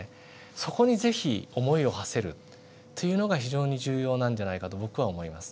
そこに是非思いをはせるっていうのが非常に重要なんじゃないかと僕は思います。